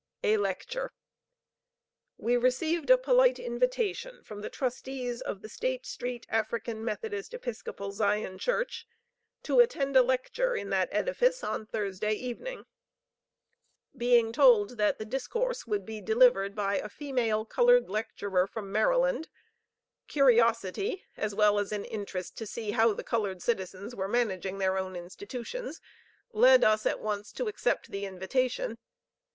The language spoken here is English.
A LECTURE. We received a polite invitation from the trustees of the State street African Methodist Episcopal Zion Church to attend a lecture in that edifice on Thursday evening. Being told that the discourse would be delivered by a female colored lecturer from Maryland, curiosity, as well as an interest to see how the colored citizens were managing their own institutions, led us at once to accept the invitation.